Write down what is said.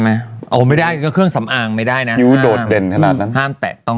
ไหมเอาไม่ได้ก็เครื่องสำอางไม่ได้นะคิ้วโดดเด่นขนาดนั้นห้ามแตะต้อง